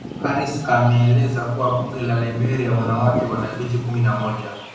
Harris ameeleza kuwa Bunge la Liberia wanawake wana viti kumi na moja